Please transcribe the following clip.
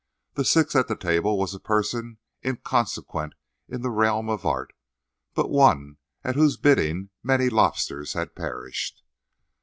The sixth at the table was a person inconsequent in the realm of art, but one at whose bidding many lobsters had perished.